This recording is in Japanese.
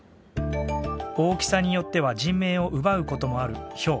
大きさによっては人命を奪う事もあるひょう。